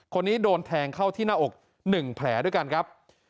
คนนี้โดนแทงเข้าที่หน้าอก๑แผลด้วยกันครับ